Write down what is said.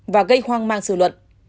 và gây hoang mang sự luận